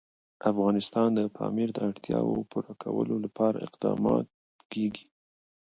افغانستان کې د پامیر د اړتیاوو پوره کولو لپاره اقدامات کېږي.